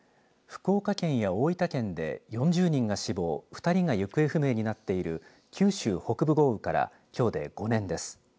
福岡県や大分県で、４０人が死亡２人が行方不明になっている九州北部豪雨からきょうで５年です。